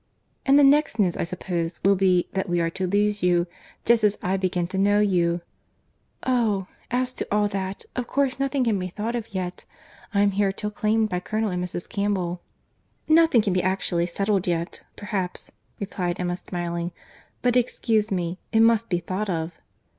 "And the next news, I suppose, will be, that we are to lose you—just as I begin to know you." "Oh! as to all that, of course nothing can be thought of yet. I am here till claimed by Colonel and Mrs. Campbell." "Nothing can be actually settled yet, perhaps," replied Emma, smiling—"but, excuse me, it must be thought of."